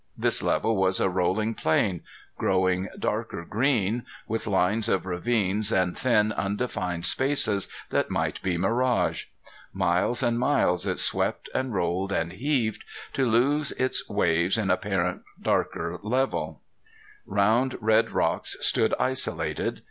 This level was a rolling plain, growing darker green, with lines of ravines and thin, undefined spaces that might be mirage. Miles and miles it swept and rolled and heaved, to lose its waves in apparent darker level. Round red rocks stood isolated.